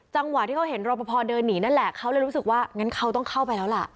จังหวะที่เขาเห็นรอปภเดินหนีนั่นแหละเขาเลยรู้สึกว่างั้นเขาต้องเข้าไปแล้วล่ะ